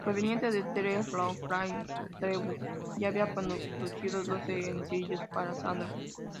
Previamente a "The Long Play", Cretu ya había producido dos sencillos para Sandra.